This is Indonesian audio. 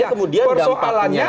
maka kemudian dampaknya